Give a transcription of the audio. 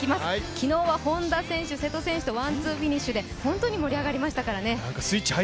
昨日は本多選手、瀬戸選手とワンツーフィニッシュで本当に盛り上がりましたからね。